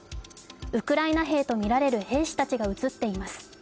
ウクライナ兵とみられる兵士たちが映っています。